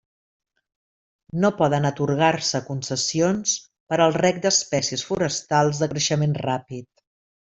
No poden atorgar-se concessions per al reg d'espècies forestals de creixement ràpid.